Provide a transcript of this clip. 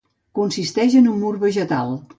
Consisteix en un mur vegetal.